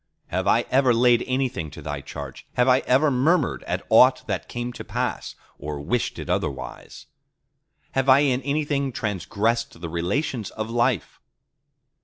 Have I ever laid anything to Thy charge? Have I ever murmured at aught that came to pass, or wished it otherwise? Have I in anything transgressed the relations of life?